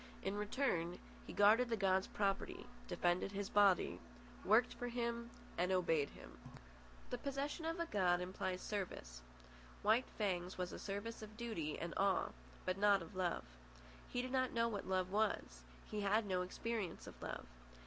In return, he guarded the god's property, defended his body, worked for him, and obeyed him. The possession of a god implies service. White Fang's was a service of duty and awe, but not of love. He did not know what love was. He had no experience of love.